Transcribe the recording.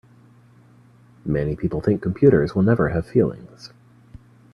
Many people think computers will never have feelings.